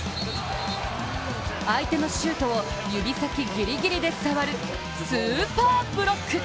相手のシュートを指先ギリギリで触るスーパーブロック。